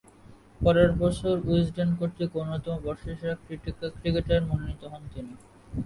পরের বছর উইজডেন কর্তৃক অন্যতম বর্ষসেরা ক্রিকেটার মনোনীত হন তিনি।